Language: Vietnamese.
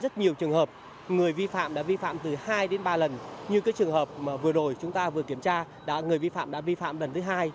trường hợp người vi phạm đã vi phạm từ hai đến ba lần như các trường hợp vừa rồi chúng ta vừa kiểm tra người vi phạm đã vi phạm lần thứ hai